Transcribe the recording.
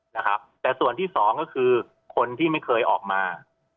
นะครับแต่ส่วนที่สองก็คือคนที่ไม่เคยออกมา